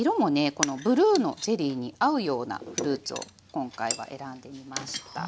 このブルーのゼリーに合うようなフルーツを今回は選んでみました。